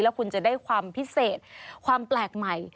คุณจะได้ความพิเศษความแปลกใหม่